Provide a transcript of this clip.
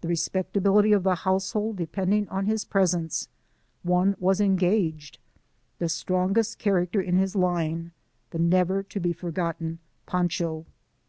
The respectability of the household depending on his presence ; one was engaged, the strongest character in his line — the never to be forgotten Pancho.